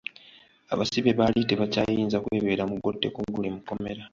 Abasibe baali tebakyayinza kwebeera mugoteeko oguli mu kkomera.